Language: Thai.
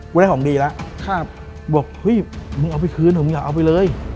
ได้ของดีแล้วบอกเฮ้ยมึงเอาไปคืนผมมึงอย่าเอาไปเลย